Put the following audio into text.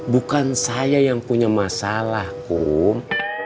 bukan saya yang punya masalah kum